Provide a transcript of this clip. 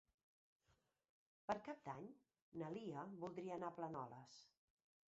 Per Cap d'Any na Lia voldria anar a Planoles.